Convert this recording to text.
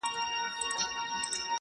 • لوستونکي پرې بحثونه کوي ډېر ژر,